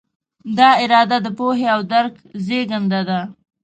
دا اراده د پوهې او درک زېږنده ده.